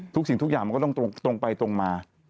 สิ่งทุกอย่างมันก็ต้องตรงไปตรงมา